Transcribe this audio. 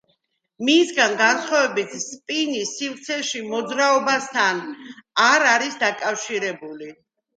მისგან განსხვავებით, სპინი სივრცეში მოძრაობასთან არ არის დაკავშირებული.